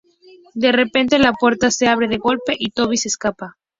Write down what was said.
De repente, la puerta se abre de golpe y Toby se escapa.